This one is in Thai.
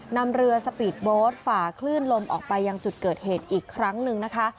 นำเรือสปีดโบสต์ฝ่าคลื่นลมออกไปยังจุดเกิดเหตุอีกครั้งหนึ่งนะคะ